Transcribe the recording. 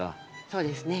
そうですね。